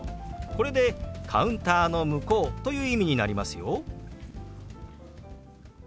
これでカウンターの向こうという意味になりますよ。